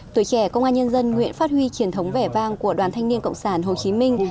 tuổi trẻ công an nhân dân nguyễn phát huy truyền thống vẻ vang của đoàn thanh niên cộng sản hồ chí minh